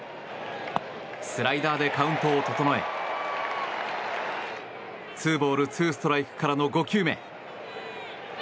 スライダーでカウントを整えツーボールツーストライクからの５球目。